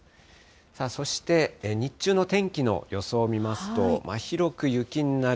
さあ、そして日中の天気の予想を見ますと、広く雪になる